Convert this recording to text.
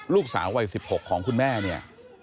ลูกสาววัย๑๖ของคุณแม่เนี่ย